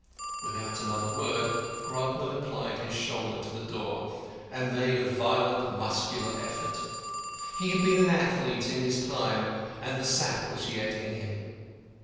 Without another word, Grodman applied his shoulder to the door, and made a violent muscular effort. He had been an athlete in his time, and the sap was yet in him.